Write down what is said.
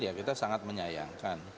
ya kita sangat menyayangkan